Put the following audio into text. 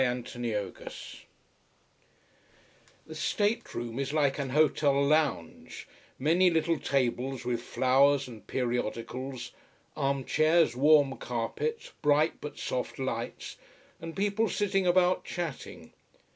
The state room is like a hotel lounge, many little tables with flowers and periodicals, arm chairs, warm carpet, bright but soft lights, and people sitting about chatting.